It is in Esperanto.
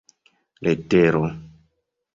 letero